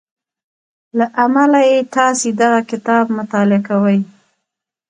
له امله يې تاسې دغه کتاب مطالعه کوئ.